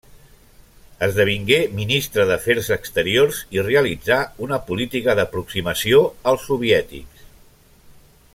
Esdevingué ministre d'Afers Exteriors i realitzà una política d'aproximació als soviètics.